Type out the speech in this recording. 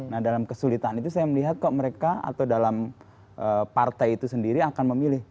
nah dalam kesulitan itu saya melihat kok mereka atau dalam partai itu sendiri akan memilih